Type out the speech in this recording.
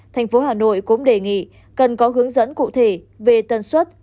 thành phố hà nội cũng đề nghị cần có hướng dẫn cụ thể về tần suất